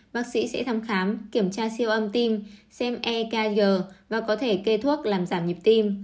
bác sĩ sẽ thăm khám kiểm tra siêu âm tim xem ekazu và có thể kê thuốc làm giảm nhịp tim